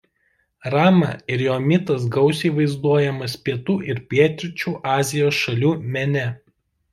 Rama ir jo mitas gausiai vaizduojamas Pietų ir Pietryčių Azijos šalių mene.